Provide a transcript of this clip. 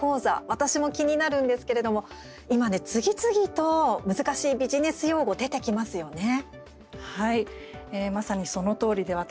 私も気になるんですけれども今、次々と難しいビジネス用語出てきますよね？